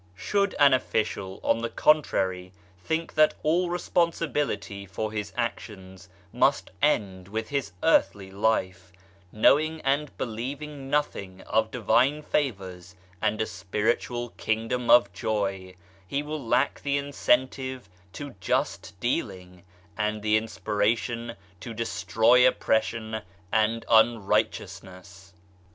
Should an official, on the contrary, think that all responsibility for his actions must end with his earthly life, knowing and believing nothing of Divine favours and a Spiritual Kingdom of Joy, he will lack the incentive to just dealing, and the Inspiration to destroy oppression and unrighteousness.